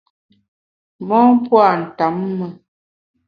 Mon pua’ ntamme.